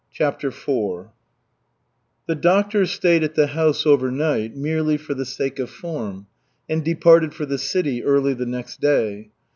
CHAPTER IV The doctor stayed at the house overnight merely for the sake of form, and departed for the city early the next day.